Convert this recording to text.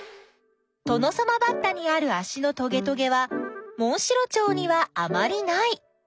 トノサマバッタにあるあしのトゲトゲはモンシロチョウにはあまりない。